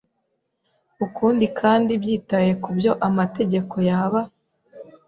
ukundi kandi byitaye ku byo amategeko yaba